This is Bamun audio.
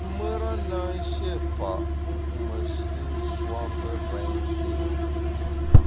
Pü mùra na shié fa’ meshi’ nswa pe renké́ri.